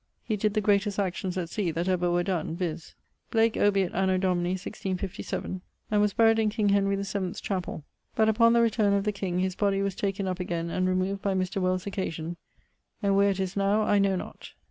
He did the greatest actions at sea that ever were done, viz.,.... ... Blake obiit anno Domini <1657> and was buried in King Henry 7th's chapell; but upon the returne of the king, his body was taken up again and removed by Mr. Wells' occasion, and where it is now, I know not.